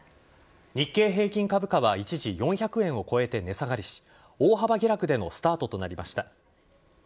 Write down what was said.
日経平均株価は一時４００円を超えて値下がりし大幅下落でのスタートとなりました。